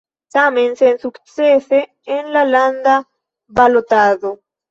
Tamen sensukcese en la landa balotado.